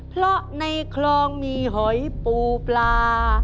เพราะในคลองมีหอยปูปลา